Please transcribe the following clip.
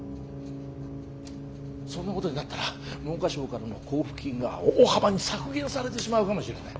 そんなことになったら文科省からの交付金が大幅に削減されてしまうかもしれない。